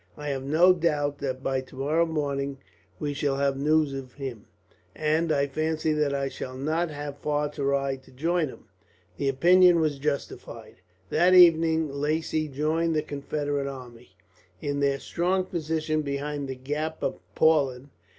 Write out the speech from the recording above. "I have no doubt that by tomorrow morning we shall have news of him, and I fancy that I shall not have far to ride to join him." The opinion was justified. That evening Lacy joined the Confederate army, in their strong position behind the gap of Plauen.